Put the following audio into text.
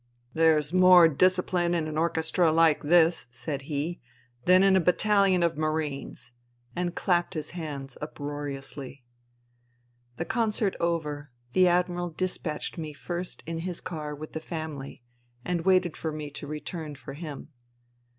" There's more disciphne in an orchestra hke this," said he, " than in a batta lion of Marines," and clapped his hands uproariously. The concert over, the Admiral dispatched me first in his car with the family and waited for me to return for him.